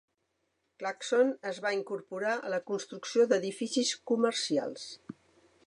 Clarkson es va incorporar a la construcció d'edificis comercials.